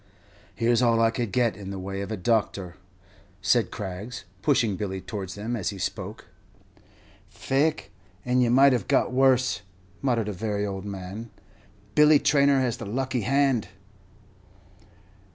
"Here 's all I could get in the way of a doctor," said Craggs, pushing Billy towards them as he spoke. "Faix, and ye might have got worse," muttered a very old man; "Billy Traynor has the lucky hand.'"